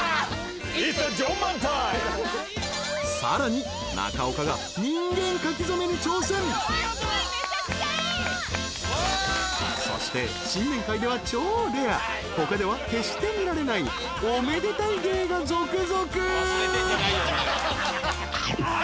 ［さらに中岡が］［そして新年会では超レア他では決して見られないおめでたい芸が続々］